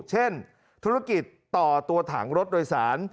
เช่นธุรกิจต่อตัวถังรถโดยสาร